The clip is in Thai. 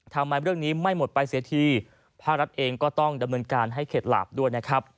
ทำไมเรื่องนี้ไม่หมดไปเสียทีภาครัฐเองก็ต้องดำเนินการให้เข็ดหลาบด้วยนะครับ